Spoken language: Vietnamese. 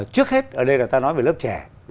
trước hết ở đây là ta nói về lớp trẻ